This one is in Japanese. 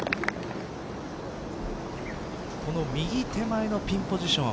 この右手前のピンポジション